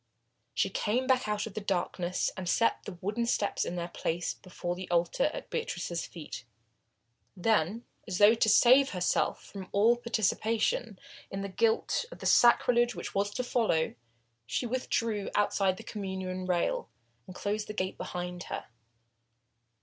She came back out of the darkness and set the wooden steps in their place before the altar at Beatrice's feet. Then, as though to save herself from all participation in the guilt of the sacrilege which was to follow, she withdrew outside the Communion rail, and closed the gate behind her.